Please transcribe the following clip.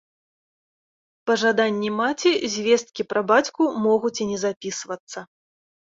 Па жаданні маці звесткі пра бацьку могуць і не запісвацца.